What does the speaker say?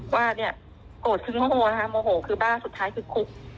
ว่าโกรธถึงโมโหโมโหคือบ้าสุดท้ายคือคุก